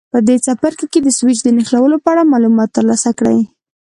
په دې څپرکي کې د سویچ د نښلولو په اړه معلومات ترلاسه کړئ.